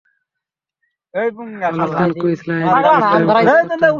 Alaskan cruise লাইনে part time কাজ করতেন।